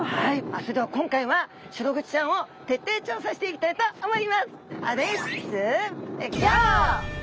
それでは今回はシログチちゃんを徹底調査していきたいと思います。